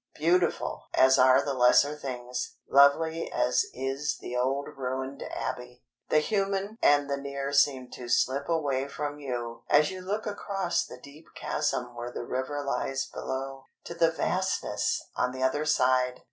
Beautiful as are the lesser things, lovely as is the old ruined Abbey, the human and the near seem to slip away from you as you look across the deep chasm where the river lies below, to the vastness on the other side.